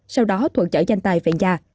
sau đó thuận chở danh tài về nhà